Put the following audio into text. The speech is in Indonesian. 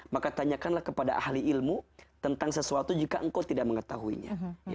maka tanyakanlah kepada ahli ilmu tentang sesuatu jika engkau tidak mengetahuinya